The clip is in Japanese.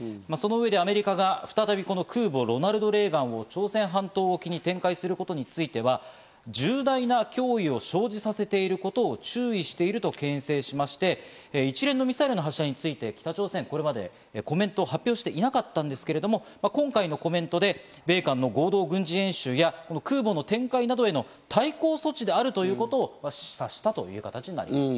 その上でアメリカが再び空母ロナルド・レーガンを朝鮮半島沖に展開することについては、重大な脅威を生じさせていることを注視しているとけん制しまして、一連のミサイルの発射について北朝鮮はこれまで一切コメントを発表していなかったんですが、今回のコメントで米韓合同軍事演習や空母展開などへの対抗措置であることを示唆したという形になります。